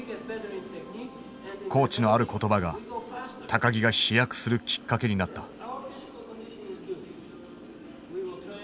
コーチのある言葉が木が飛躍するきっかけになった。